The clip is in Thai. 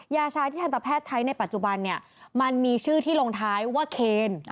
ยาชาที่ทันตแพทย์ใช้ในปัจจุบันเนี่ยมันมีชื่อที่ลงท้ายว่าเคน